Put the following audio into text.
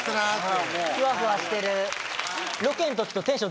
ふわふわしてる。